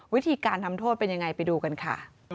วิธีการทำโทษเป็นยังไงไปดูกันค่ะ